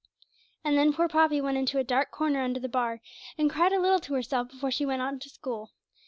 And then poor Poppy went into a dark corner under the Bar, and cried a little to herself before she went on to school.